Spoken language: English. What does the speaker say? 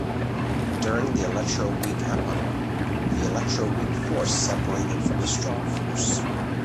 During the electroweak epoch, the electroweak force separated from the strong force.